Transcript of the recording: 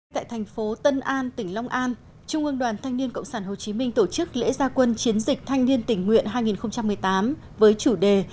tại thành phố tân an tỉnh long an trung ương đoàn thanh niên cộng sản hồ chí minh tổ chức lễ gia quân chiến dịch thanh niên tỉnh nguyện hai nghìn một mươi tám với chủ đề